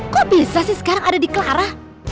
kok bisa sih sekarang ada di clara